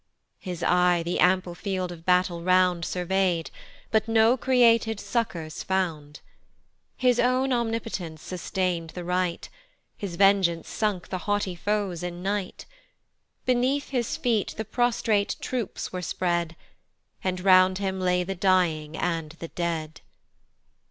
His eye the ample field of battle round Survey'd, but no created succours found; His own omnipotence sustain'd the right, His vengeance sunk the haughty foes in night; Beneath his feet the prostrate troops were spread, And round him lay the dying, and the dead.